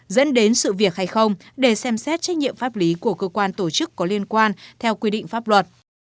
dẫn đến sự việc hay không để xem xét trách nhiệm pháp lý của cơ quan tổ chức có liên quan theo quy định pháp luật